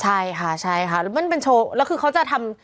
ใช่ค่ะใช่ค่ะมันเป็นโชว์แล้วคือเขาจะทำ